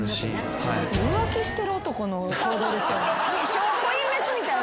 証拠隠滅みたいな。